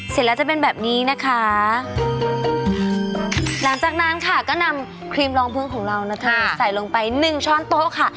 เสร็จแล้วจะเป็นแบบนี้นะคะหลังจากนั้นค่ะก็นำครีมรองพึ่งของเรานะเธอใส่ลงไปหนึ่งช้อนโต๊ะค่ะ